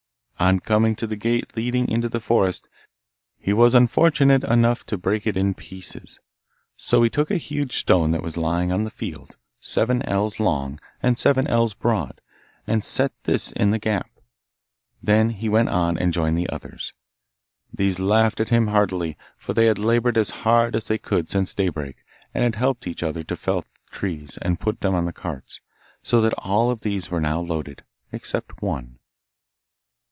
On coming to the gate leading into the forest, he was unfortunate enough to break it in pieces, so he took a huge stone that was lying on the field, seven ells long, and seven ells broad, and set this in the gap, then he went on and joined the others. These laughed at him heartily, for they had laboured as hard as they could since daybreak, and had helped each other to fell trees and put them on the carts, so that all of these were now loaded except one.